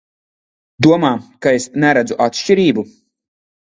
Domā, ka es neredzu atšķirību?